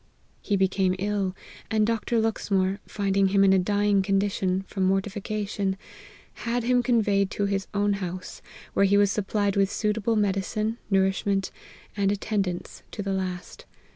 " He became ill ; and Dr. Luxmore, finding him in a dying condition, from mortification, had him conveyed to his own house, where he was supplied with suitable medicine, nourishment, and attend ance, to the last.